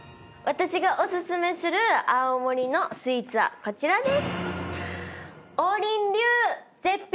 私がお薦めする青森のスイーツはこちらです！